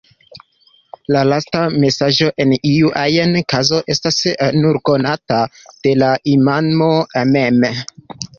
La lasta mesaĝo en iu ajn kazo estas nur konata de la imamo mem.